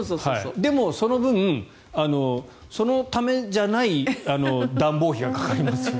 でも、その分、そのためじゃない暖房費がかかります。